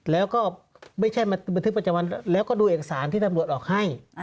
แล้วก็ไม่ใช่มาบันทึกประจำวันแล้วก็ดูเอกสารที่ตำรวจออกให้